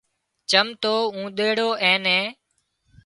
چم تو اوۮيڙو اين نين